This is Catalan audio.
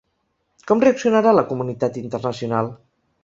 Com reaccionarà la comunitat internacional?